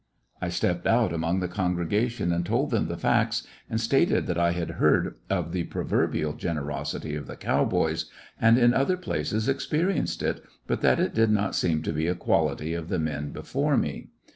I stepped out among the congregation and told them the facts, and stated that I had heard of the proverbial generosity of the cow boys, and in other places experienced it, but that it did not seem to be a quality of the men before me.